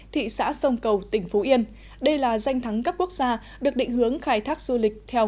thị xã sông cầu tỉnh phú yên đây là danh thắng cấp quốc gia được định hướng khai thác du lịch theo